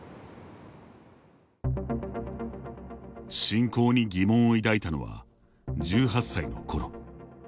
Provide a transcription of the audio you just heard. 信仰に疑問を抱いたのは１８歳のころ。